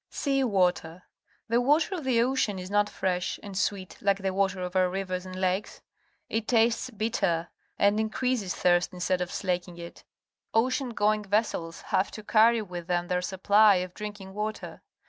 Sea water. — The wat e r of the ocean is not fresh and sweet like the water of bur rivers and lakes. It t agtes bitter, and increases thirst instead of"siaking it. Ocean going vessels have to carry with them their supply of drinking water.